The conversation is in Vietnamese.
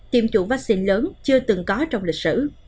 tiêm chủng vaccine lớn chưa từng có trong lịch sử